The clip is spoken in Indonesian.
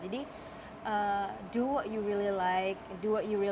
jadi lakukan apa yang kamu suka lakukan apa yang kamu peduli